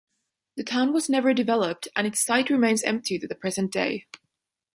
The town was never developed and its site remains empty to the present day.